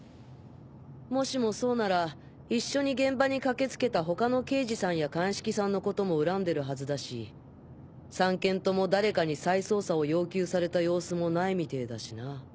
もしもそうなら一緒に現場に駆け付けた他の刑事さんや鑑識さんのことも恨んでるはずだし３件とも誰かに再捜査を要求された様子もないみてぇだしな。